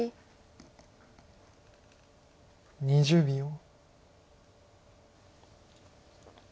２０秒。